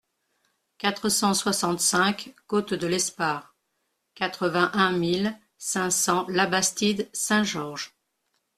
quatre cent soixante-cinq côte de Lespare, quatre-vingt-un mille cinq cents Labastide-Saint-Georges